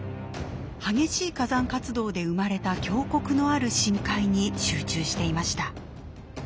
激しい火山活動で生まれた峡谷のある深海に集中していました。